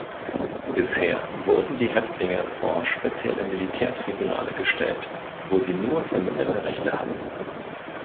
Bisher wurden die Häftlinge vor spezielle Militärtribunale gestellt, wo sie nur verminderte Rechte hatten.